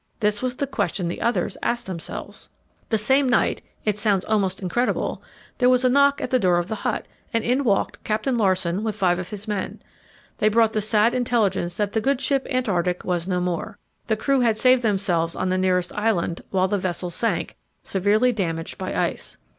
This was the question the others asked themselves. The same night it sounds almost incredible there was a knock at the door of the hut, and in walked Captain Larsen with five of his men. They brought the sad intelligence that the good ship Antarctic was no more. The crew had saved themselves on the nearest island, while the vessel sank, severely damaged by ice.